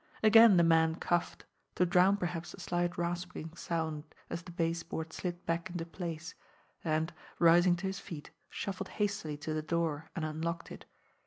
Again the man coughed to drown perhaps the slight rasping sound as the base board slid back into place and, rising to his feet, shuffled hastily to the door and unlocked it.